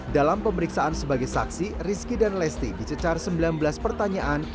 dalam pemeriksaan sebagai saksi rizky dan lesti dicecar sembilan belas pertanyaan